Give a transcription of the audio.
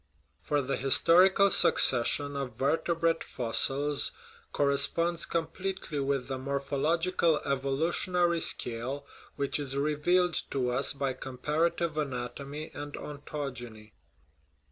For the his torical succession of vertebrate fossils corresponds com pletely with the morphological evolutionary scale which is revealed to us by comparative anatomy and ontogeny.